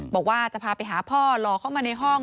บอกว่าจะพาไปหาพ่อหล่อเข้ามาในห้อง